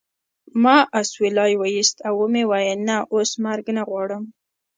ما اسویلی وایست او و مې ویل نه اوس مرګ نه غواړم